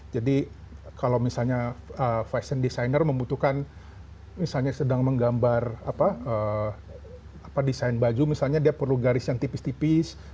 jadi kalau misalnya fashion designer membutuhkan misalnya sedang menggambar desain baju misalnya dia perlu garis yang tipis tipis